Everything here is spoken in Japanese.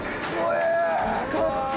いかつっ。